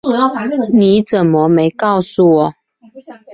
你怎么没告诉我